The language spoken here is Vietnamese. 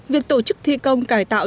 việc tổ chức thi công cải tạo